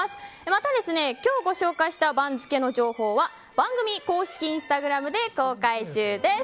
また今日ご紹介した番付の情報は番組公式インスタグラムで公開中です。